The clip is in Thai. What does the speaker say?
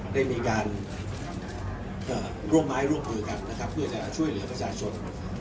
ได้มีการร่วมไม้ร่วมมือกันนะครับเพื่อจะช่วยเหลือประชาชน